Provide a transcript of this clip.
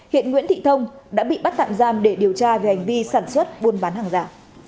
hiện nguyễn thị thông đã bị bắt tạm giam để điều tra về hành vi sản xuất buôn bán hàng giả